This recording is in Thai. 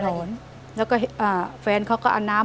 อเรนนี่นี่คือเหตุการณ์เริ่มต้นหลอนช่วงแรกแล้วมีอะไรอีก